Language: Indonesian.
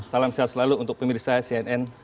salam sehat selalu untuk pemirsa cnn